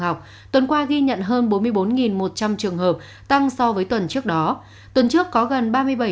học tuần qua ghi nhận hơn bốn mươi bốn một trăm linh trường hợp tăng so với tuần trước đó tuần trước có gần